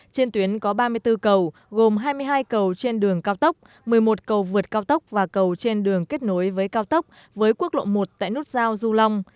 trên tuyến có ba mươi bốn cầu gồm hai mươi hai cầu trên đường cao tốc một mươi một cầu vượt cao tốc và cầu trên đường kết nối với cao tốc với quốc lộ một tại nút giao du long